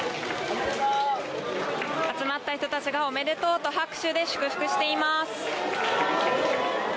集まった人たちがおめでとうと拍手で祝福しています。